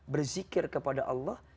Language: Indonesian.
berzikir kepada allah